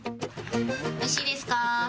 おいしいですか？